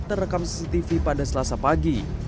terekam cctv pada selasa pagi